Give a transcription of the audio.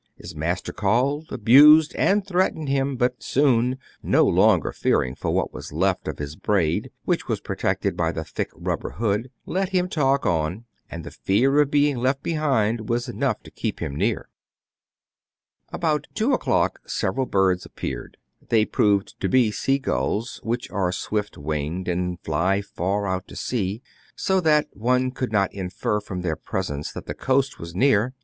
His master called, abused, and threatened him; but Soun, no longer fearing for what was left of his braid, which was protected by the thick rubber hood, let him talk on, and the fear of being left behind was enough to keep him near. About two o'clock several birds appeared. DANGERS OF CAPT, BOYTON'S APPARATUS, 237 They proved to be sea gulls, which are swift winged, and fly far out to sea ; ^o that one could not infer from their presence that the coast was near.